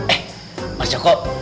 eh mas joko